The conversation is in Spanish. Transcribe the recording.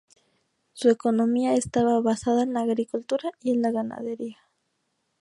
Su economía estaba basada en la agricultura y en la ganadería.